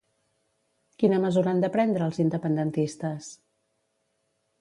Quina mesura han de prendre els independentistes?